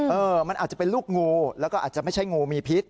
เออมันอาจจะเป็นลูกงูแล้วก็อาจจะไม่ใช่งูมีพิษ